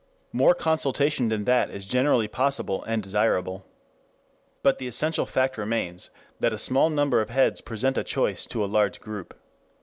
More consultation than that is generally possible and desirable. But the essential fact remains that a small number of heads present a choice to a large group.